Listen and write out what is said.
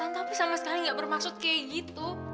tante tapi sama sekali nggak bermaksud kayak gitu